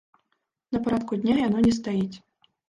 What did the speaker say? На парадку дня яно не стаіць.